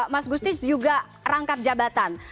mas gustis juga rangkap jabatan